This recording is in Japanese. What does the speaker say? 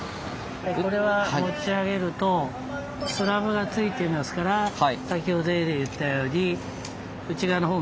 これは持ち上げるとスラブがついていますから先ほどより言ったように内側のほうが重いので。